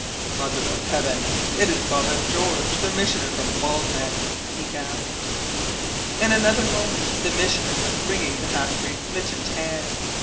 "Mother of Heaven, it is Father George, the Missioner from Baldneck!" he gasped. In another moment the Missioner was wringing the half breed's mittened hand.